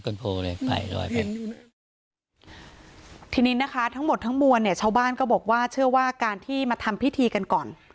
เชาะบ้านก็บอกว่าเชื่อว่าการที่มาทำพิธีกันก่อน